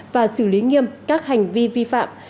và xử lý nghiêm các hành vi vi phạm